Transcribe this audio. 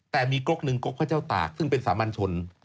แต่มีก๊กหนึ่งกกพระเจ้าตากซึ่งเป็นสามัญชน